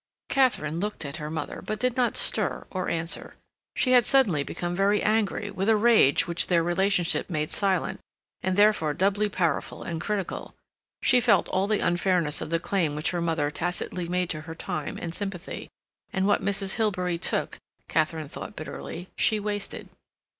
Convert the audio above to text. Katharine looked at her mother, but did not stir or answer. She had suddenly become very angry, with a rage which their relationship made silent, and therefore doubly powerful and critical. She felt all the unfairness of the claim which her mother tacitly made to her time and sympathy, and what Mrs. Hilbery took, Katharine thought bitterly, she wasted.